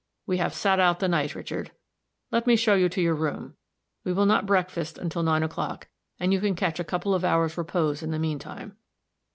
We have sat out the night, Richard! Let me show you to your room; we will not breakfast until nine o'clock, and you can catch a couple of hours' repose in the mean time."